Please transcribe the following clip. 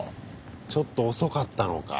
ちょっと遅かったのか